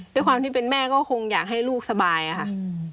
ด้วยความที่เป็นแม่ก็คงอยากให้ลูกสบายค่ะ